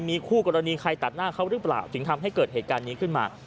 มีคู่กรณีใครตัดหน้าเขาหรือเปล่าถึงทำให้เกิดเหตุการณ์นี้ขึ้นมา